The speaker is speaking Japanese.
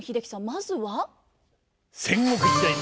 まずは。